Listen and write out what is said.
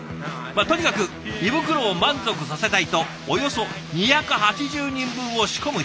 とにかく胃袋を満足させたいとおよそ２８０人分を仕込む日々。